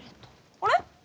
あれ？